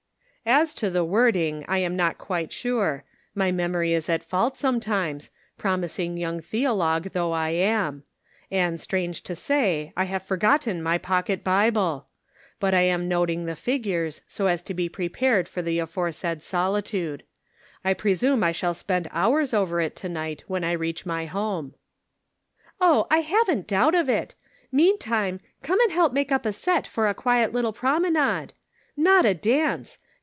" As to the wording I am not quite sure. My memory is at fault sometimes, promising young theologue though I am ; and, strange to say, I have forgotten my pocket Bible ! But I am noting the figures, so as to be prepared for the aforesaid solitude. I presume I shall spend hours over it to night, when I reach my home." " Oh, I haven't a doubt of it. Meantime, come and help make up a set for a quiet little promenade. Not a dance